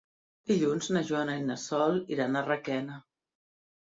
Dilluns na Joana i na Sol iran a Requena.